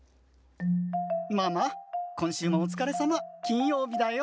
ママ、今週もお疲れさま、金曜日だよ。